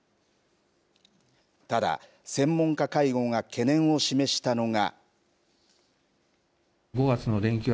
ただ、専門家会合が懸念を示したのが。